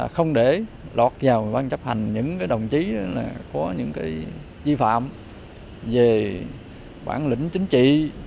không để lọt vào ban chấp hành những đồng chí có những di phạm về quản lĩnh chính trị